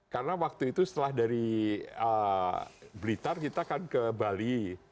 karena waktu itu setelah dari blitar kita kan ke bali